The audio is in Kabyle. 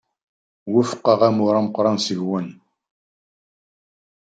Wufqeɣ amur ameqran seg-wen.